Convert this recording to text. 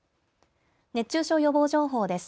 熱中症予防情報です。